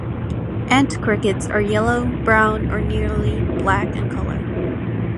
Ant Crickets are yellow, brown, or nearly black in color.